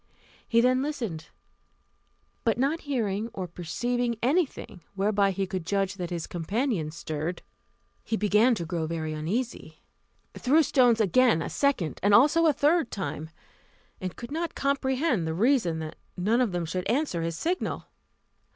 He then listened, but not hearing or perceiving anything whereby he could judge that his companions stirred, he began to grow very uneasy, threw stones again a second and also a third time, and could not comprehend the reason that none of them should answer his signal.